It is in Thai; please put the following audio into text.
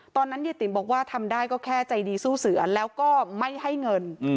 ตอนนั้นยายติ๋มบอกว่าทำได้ก็แค่ใจดีสู้เสือแล้วก็ไม่ให้เงิน